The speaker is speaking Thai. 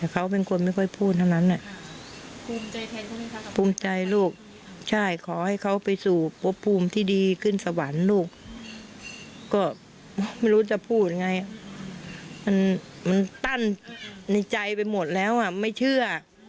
ก็ไม่รู้จะพูดไงมันตั้นในใจไปหมดแล้วอ่ะไม่เชื่อ